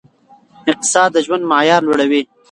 اقتصاد د ژوند معیار لوړوي.